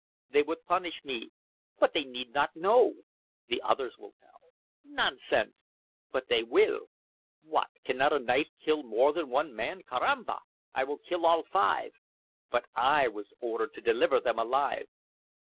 "They would punish me." "But they need not know?" "The others will tell." "Nonsense." "But they will." "What? Cannot a knife kill more than one man. Carramba, I will kill all five." "But I was ordered to deliver them alive."